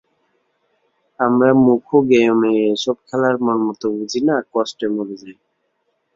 আমরা মুখু গেঁয়ো মেয়ে এসব খেলার মর্ম তো বুঝি না, কষ্টে মরে যাই।